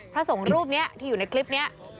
พระสงฆ์รูปนี้ที่อยู่ในคลิปนี้